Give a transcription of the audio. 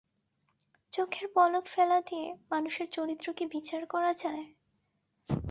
চোখের পলক ফেলা দিয়ে মানুষের চরিত্র কি বিচার করা যায়?